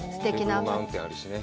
ブルーマウンテンあるしね。